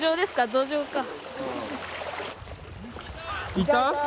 いた？